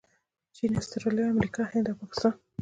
چین، اسټرلیا، امریکا، هند او پاکستان